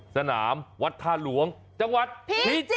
สนามวัดท่าหลวงจังหวัดพิจิตร